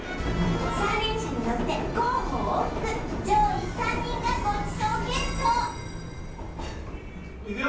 三輪車に乗ってコーンを往復上位３人がごちそうＧＥＴいくよ